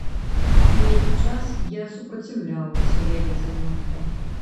Нейкі час я супраціўлялася яе занятку.